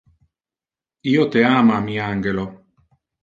Io te ama, mi angelo.